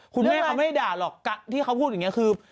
คุณแม่เขาไม่ได้ด่าหรอกที่เขาพูดอย่างนี้คือ